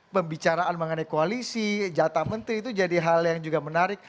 pembicaraan mengenai koalisi jatah menteri itu jadi hal yang juga menarik